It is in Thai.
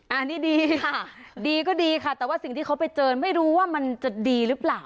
อันนี้ดีค่ะดีก็ดีค่ะแต่ว่าสิ่งที่เขาไปเจอไม่รู้ว่ามันจะดีหรือเปล่า